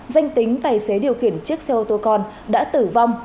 danh tính tài xế điều khiển chiếc xe ô tô con đã tử vong